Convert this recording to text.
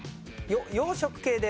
洋食系で。